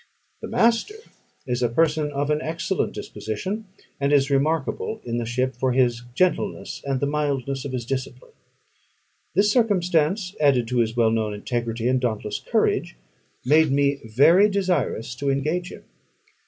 The master is a person of an excellent disposition, and is remarkable in the ship for his gentleness and the mildness of his discipline. This circumstance, added to his well known integrity and dauntless courage, made me very desirous to engage him.